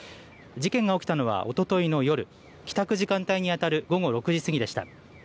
事件が起きたのはおとといの夜、帰宅時間帯にあたる午後６時過ぎでした。